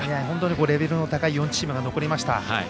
本当にレベルの高い４チームが残りました。